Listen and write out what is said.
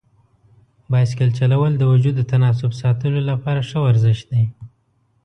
بایسکل چلول د وجود د تناسب ساتلو لپاره ښه ورزش دی.